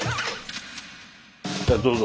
じゃあどうぞ。